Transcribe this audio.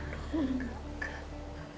ini salah aku